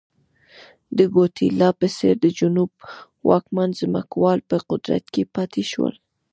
د ګواتیلا په څېر د جنوب واکمن ځمکوال په قدرت کې پاتې شول.